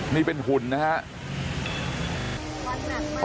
นี่เป็นหุ่นนะฮะ